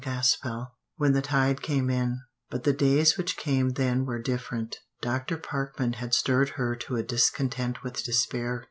CHAPTER XLI WHEN THE TIDE CAME IN But the days which came then were different. Dr. Parkman had stirred her to a discontent with despair.